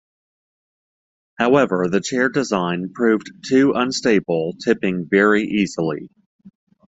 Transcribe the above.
However, the chair design proved too unstable, tipping very easily.